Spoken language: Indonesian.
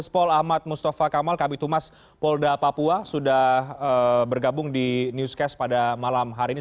pol ahmad mustafa kamal kabitumas polda papua sudah bergabung di newscast pada malam hari ini